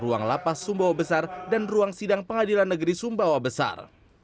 ruang lapas sumbawa besar dan ruang sidang pengadilan negeri sumbawa besar